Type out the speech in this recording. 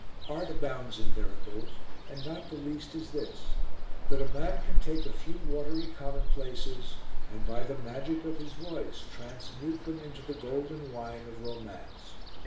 Art abounds in miracles, and not the least is this, that a man can take a few watery commonplaces and by the magic of his voice transmute them into the golden wine of romance.